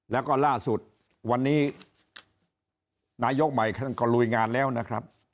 แล้วก็ล่าสุดวันนี้นายกใหม่ท่านก็ลุยงานแล้วนะครับ